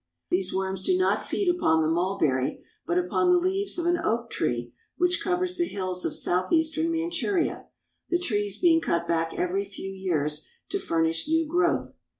These worms do not feed upon the mulberry, but upon the leaves of an oak which covers the hills of south eastern Manchuria, the trees being cut back every few years to furnish new growth.